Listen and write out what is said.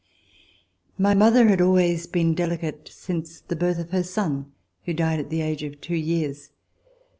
MY mother had always been delicate since the birth of her son, who died at the age of two years.